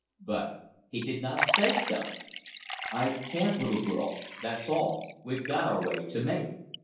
But he did not say so. "I can't, little girl; that's all. We've got our way to make."